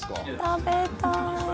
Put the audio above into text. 「食べたい」